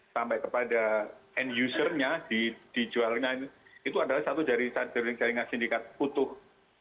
sampai kepada end usernya dijualnya itu adalah satu dari jaringan sindikat utuh